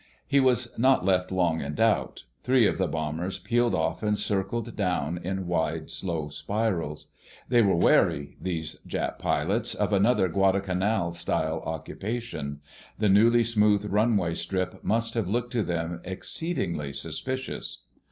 He was not left long in doubt. Three of the bombers peeled off and circled down in wide, slow spirals. They were wary, those Jap pilots, of another Guadalcanal style occupation. The newly smoothed runway strip must have looked to them exceedingly suspicious.